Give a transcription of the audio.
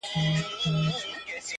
زورور هم تر چنګېز هم تر سکندر دی،